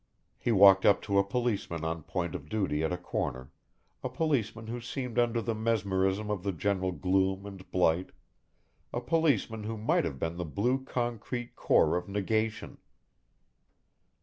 He walked up to a policeman on point of duty at a corner, a policeman who seemed under the mesmerism of the general gloom and blight, a policeman who might have been the blue concrete core of negation.